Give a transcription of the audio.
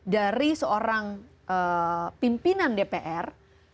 dari seorang pimpinan dpr